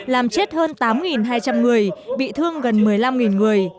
làm chết hơn tám hai trăm linh người bị thương gần một mươi năm người